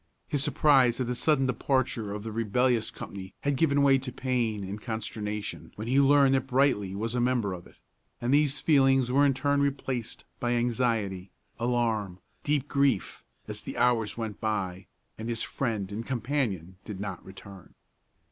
His surprise at the sudden departure of the rebellious company had given way to pain and consternation when he learned that Brightly was a member of it; and these feelings were in turn replaced by anxiety, alarm, deep grief, as the hours went by, and his friend and companion did not return.